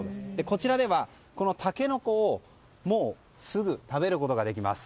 こちらではタケノコをすぐ食べることができます。